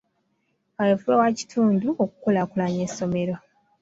Kaweefube wa kitundu okukulaakulanya essomero.